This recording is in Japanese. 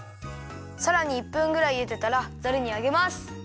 さらに１分ぐらいゆでたらざるにあげます！